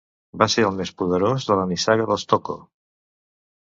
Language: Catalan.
Va ser el més poderós de la nissaga dels Tocco.